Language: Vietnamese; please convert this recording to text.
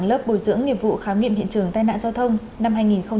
lớp bồi dưỡng nghiệp vụ khám nghiệm hiện trường tai nạn giao thông